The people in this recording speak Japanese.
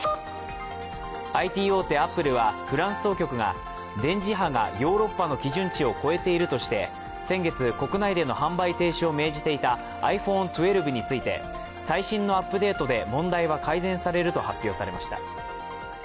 ＩＴ大手アップルはフランス当局が電磁波がヨーロッパの基準値を超えているとして、先月、国内での販売停止を命じていたｉＰｈｏｎｅ１２について最新のアップデートで問題は改善されると発表しました。